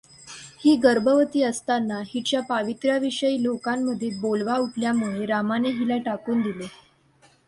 ही गर्भवती असताना, हिच्या पावित्र्याविषयी लोकांमध्ये बोलवा उठल्यामुळे रामाने हिला टाकून दिले.